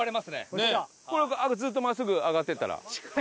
これずっと真っすぐ上がっていったら？